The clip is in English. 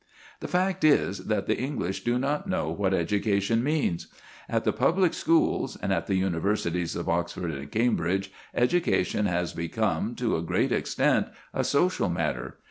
The fact is, that the English do not know what education means. At the public schools, and at the universities of Oxford and Cambridge, education has become, to a great extent, a social matter.